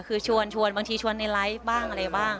คือชวนบางทีชวนในไลฟ์บ้างอะไรบ้าง